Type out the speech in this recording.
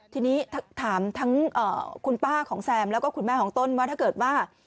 ทีนี้ถามทั้งคุณป้าของแซมแล้วก็คุณแม่ของต้นว่าถ้าเกิดว่า